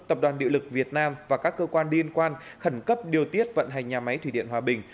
tập đoàn điện lực việt nam và các cơ quan liên quan khẩn cấp điều tiết vận hành nhà máy thủy điện hòa bình